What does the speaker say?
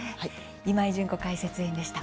今井純子解説委員でした。